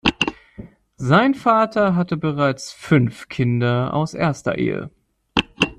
Sein Vater hatte bereits fünf Kinder aus erster Ehe.